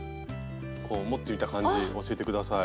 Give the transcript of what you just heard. こう持ってみた感じ教えて下さい。